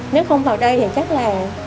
nếu không vào đây thì chắc là